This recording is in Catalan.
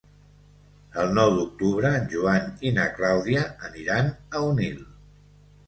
El nou d'octubre en Joan i na Clàudia aniran a Onil.